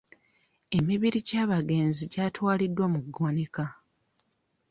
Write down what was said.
Emibiri gy'abagenzi gyatwaliddwa mu ggwanika.